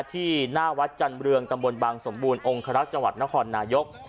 ที่หน้าวัดจันเรืองตำบลบังสมบูรณ์องคลักษ์จังหวัดนครนายก